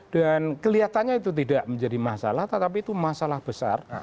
dan kelihatannya itu tidak menjadi masalah tetapi itu masalah besar